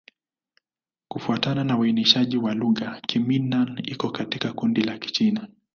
Kufuatana na uainishaji wa lugha, Kimin-Nan iko katika kundi la Kichina.